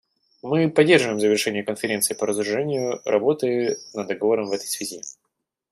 Мы поддерживаем завершение Конференцией по разоружению работы над договором в этой связи.